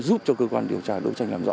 giúp cho cơ quan điều tra đấu tranh làm rõ